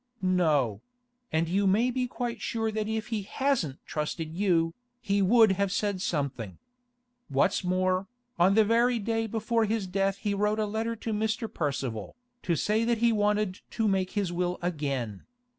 'No—and you may be quite sure that if he hasn't trusted you, he would have said something. What's more, on the very day before his death he wrote a letter to Mr. Percival, to say that he wanted to make his will again.